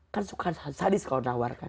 kan suka sadis kalau nawarkan